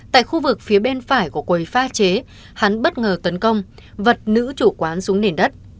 tại khu vực phía bên phải của quầy pha chế hắn bất ngờ tấn công vật nữ chủ quán xuống nền đất